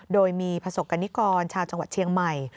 โดยมีประสบกรณิกรชาวจังหวัดเชียงใหม่